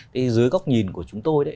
thì dưới góc nhìn của chúng tôi